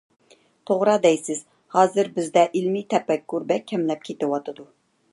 توغرا دەيسىز، ھازىر بىزدە ئىلمىي تەپەككۇر بەك كەملەپ كېتىۋاتىدۇ.